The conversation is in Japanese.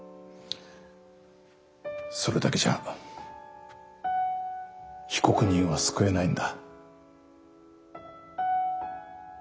それだけじゃ被告人は救えないんだ。